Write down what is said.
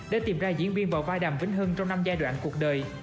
để tìm ra diễn viên vào vai đàm vĩnh hưng trong năm giai đoạn cuộc đời